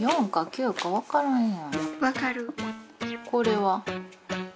これは？